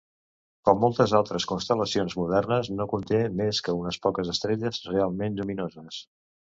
Com moltes altres constel·lacions modernes no conté més que unes poques estrelles realment lluminoses.